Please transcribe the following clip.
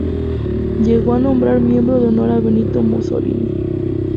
Llegó a nombrar miembro de honor a Benito Mussolini.